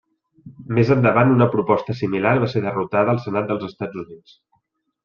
Més endavant una proposta similar va ser derrotada al Senat dels Estats Units.